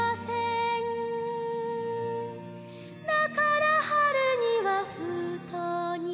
「だから春には封筒に」